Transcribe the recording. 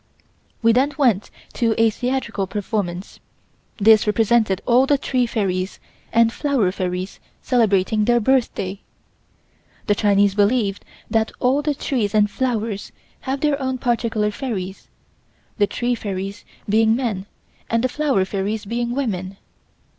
We then went to a theatrical performance. This represented all the tree fairies and flower fairies celebrating their birthday. The Chinese believe that all the trees and flowers have their own particular fairies, the tree fairies being men and the flower fairies being women.